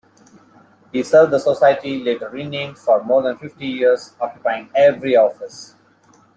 He served the society, later renamed, for more than fifty years, occupying every office.